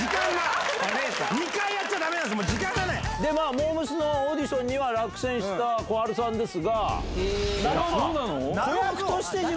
「モー娘。」のオーディションには落選した小春さんですが。